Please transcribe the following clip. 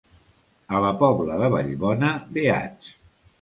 A la Pobla de Vallbona, beats.